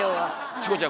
チコちゃん